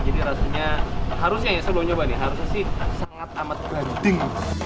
jadi rasanya harusnya ya saya mau coba nih harusnya sih sangat amat penting